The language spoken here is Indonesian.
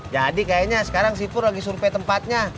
jadi kayaknya sekarang si pur lagi survei tempatnya